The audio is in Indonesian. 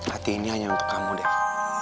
hati ini hanya untuk kamu deh